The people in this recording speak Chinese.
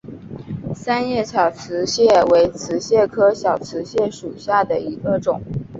三叶小瓷蟹为瓷蟹科小瓷蟹属下的一个种。